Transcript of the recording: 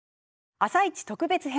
「あさイチ」特別編。